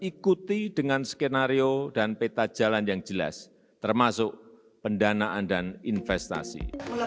ikuti dengan skenario dan peta jalan yang jelas termasuk pendanaan dan investasi